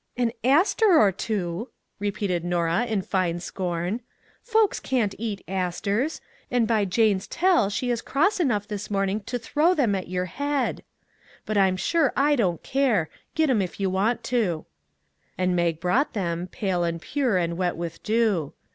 "" An aster or two! " repeated Norah in fine 275 MAG AND MARGARET scorn ;" folks can't eat asters ; and by Jane's tell she is cross enough this morning to throw them at your head; but I'm sure I don't care; git 'em if you want to." And Mag brought them, pale and pure and wet with dew.